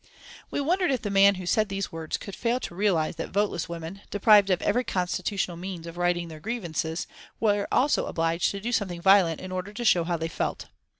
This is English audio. We wondered if the man who said these words could fail to realise that voteless women, deprived of every constitutional means of righting their grievances, were also obliged to do something violent in order to show how they felt.